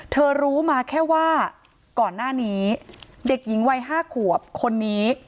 รู้มาแค่ว่าก่อนหน้านี้เด็กหญิงวัย๕ขวบคนนี้